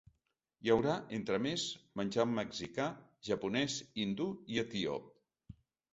Hi haurà, entre més, menjar mexicà, japonès, hindú i etíop.